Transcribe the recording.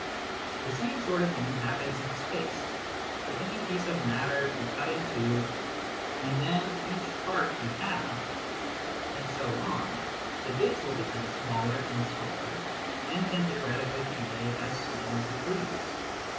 The same sort of thing happens in space. If any piece of matter be cut in two, and then each part be halved, and so on, the bits will become smaller and smaller, and can theoretically be made as small as we please.